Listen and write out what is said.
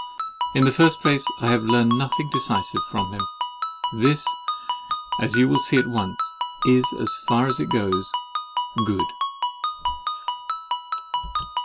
In the first place, I have learned nothing decisive from him. This, as you will at once see, is, as far as it goes, good.